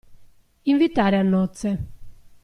Invitare a nozze.